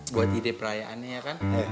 buat ide perayaannya kan